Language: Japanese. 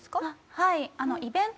はい。